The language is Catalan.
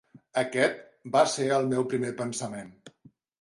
Aquest va ser el meu primer pensament.